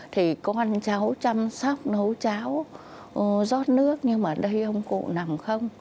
thì con cháu chăm sóc nấu cháo rót nước nhưng mà đây ông cụ nằm không